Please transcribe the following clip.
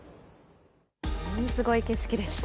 すごい景色でした。